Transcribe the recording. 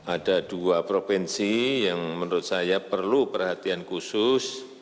ada dua provinsi yang menurut saya perlu perhatian khusus